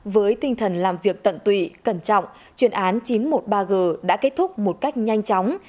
với tinh thần làm việc tận tụy cẩn trọng chuyên án chín trăm một mươi ba g đã kết thúc một cách nhanh chóng